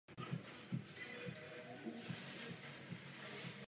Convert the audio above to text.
Vzdělání probíhá formou specializovaných kurzů postgraduálního vzdělávání.